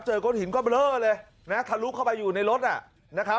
เจอก้นหินก็เบลอเลยนะฮะทะลุกเข้าไปอยู่ในรถอ่ะ